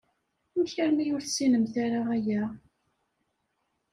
Amek armi ur tessinemt ara aya?